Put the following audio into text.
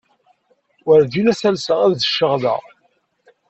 Wurǧin ad alseɣ ad cceɣ da.